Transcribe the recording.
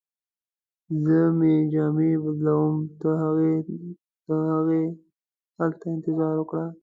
زه مې جامې بدلوم، ته ترهغې همدلته انتظار وکړه.